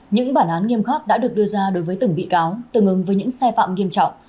những bản án nghiêm khắc đã được đưa ra đối với từng bị cáo tương ứng với những sai phạm nghiêm trọng